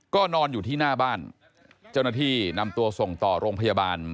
ก็นอนอยู่ที่หน้าบ้านเจ้าหน้าที่นำตัวส่งต่อโรงพยาบาล